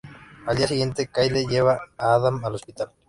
Al día siguiente, Kyle lleva a Adam al hospital.